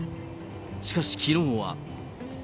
しかしきのうは。